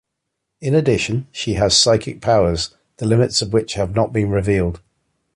In addition, she has psychic powers, the limits of which have not been revealed.